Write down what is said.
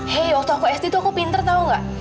hei waktu aku sd itu aku pinter tahu nggak